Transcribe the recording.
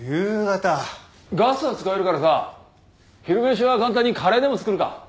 ガスは使えるからさ昼飯は簡単にカレーでも作るか。